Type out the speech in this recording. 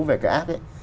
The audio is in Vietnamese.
về cái ác ấy